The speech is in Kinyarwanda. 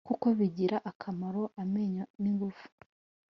kuko bigirira akamaro amenyo nigifu